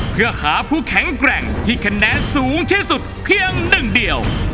เพื่อหาผู้แข็งแกร่งที่คะแนนสูงที่สุดเพียงหนึ่งเดียว